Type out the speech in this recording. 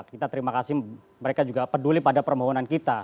kita terima kasih mereka juga peduli pada permohonan kita